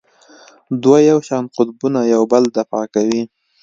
دوه یو شان قطبونه یو بل دفع کوي.